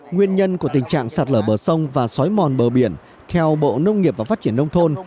nguyên nhân của tình trạng sạt lở bờ sông và xói mòn bờ biển theo bộ nông nghiệp và phát triển nông thôn